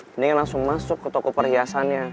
mendingan langsung masuk ke toko perhiasannya